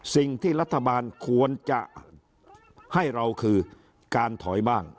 สิ่งที่รัฐบาลควรจะให้เราคือการถอยบ้าง